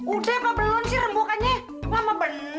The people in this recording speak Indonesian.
udah apa belum sih rebukannya mama bener